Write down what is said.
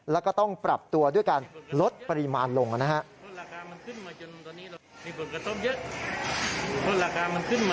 แล้วก็ต้องปรับตัวด้วยการลดปริมาณลงนะฮะ